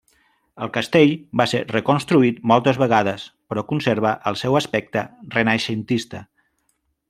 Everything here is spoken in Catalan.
El castell va ser reconstruït moltes vegades, però conserva el seu aspecte renaixentista.